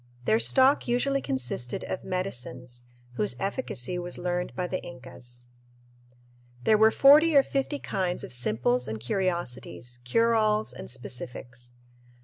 Their stock usually consisted of "medicines," whose efficacy was learned by the Incas. There were forty or fifty kinds of simples and curiosities, cure alls, and specifics.